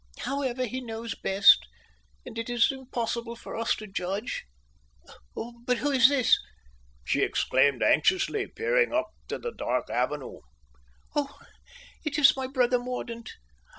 However, he knows best, and it is impossible for us to judge. But who is this?" she exclaimed, anxiously, peering up the dark avenue. "Oh, it is my brother Mordaunt.